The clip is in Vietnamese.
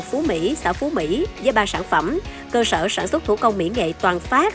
phú mỹ xã phú mỹ với ba sản phẩm cơ sở sản xuất thủ công miễn nghệ toàn phát